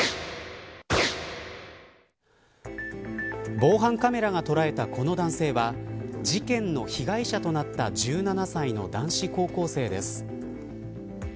防犯カメラが捉えたこの男性は事件の被害者となった１７歳の男子高校生です。